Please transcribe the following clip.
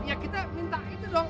ya kita minta itu dong